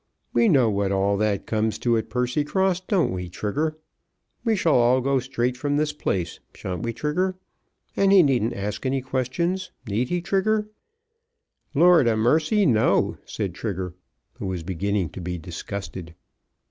"We know what all that comes to at Percycross; don't we, Trigger? We shall all go straight from this place; shan't we, Trigger? And he needn't ask any questions; need he, Trigger?" "Lord 'a mercy, no," said Trigger, who was beginning to be disgusted.